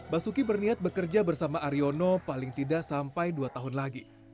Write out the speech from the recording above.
basuki berniat bekerja bersama aryono paling tidak sampai dua tahun lagi